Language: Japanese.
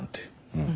うん。